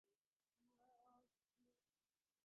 এলিয়েনের প্রমাণ তো আমাদের ফুটেজে আছে।